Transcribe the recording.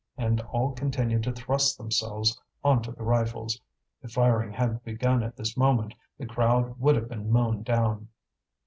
And all continued to thrust themselves on to the rifles. If firing had begun at this moment the crowd would have been mown down.